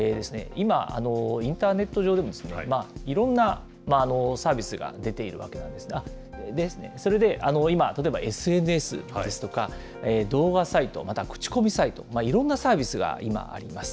今、インターネット上で、いろんなサービスが出ているわけなんですが、それで今、例えばＳＮＳですとか、動画サイト、また口コミサイト、いろんなサービスが今あります。